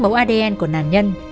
mẫu adn của nạn nhân